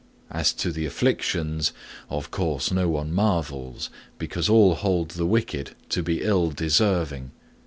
As to the afflictions, of course no one marvels, because all hold the wicked to be ill deserving.